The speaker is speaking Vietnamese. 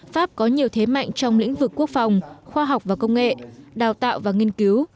pháp có nhiều thế mạnh trong lĩnh vực quốc phòng khoa học và công nghệ đào tạo và nghiên cứu